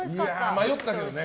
迷ったけどね。